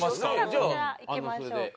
じゃあこちらいきましょうか。